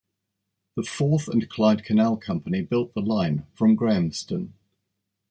The Forth and Clyde Canal company built the line, from Grahamston.